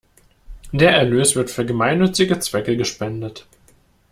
Der Erlös wird für gemeinnützige Zwecke gespendet.